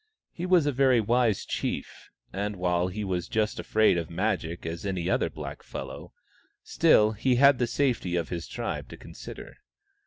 He was a very wise chief, and while he was just as afraid of Magic as any other blackfellow, still he had the safety of his tribe to consider.